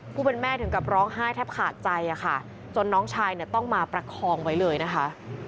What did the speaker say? ผู้เป็นแม่ถึงกับร้องไห้แทบขาดใจค่ะจนน้องชายเนี่ยต้องมาประคองไว้เลยนะคะ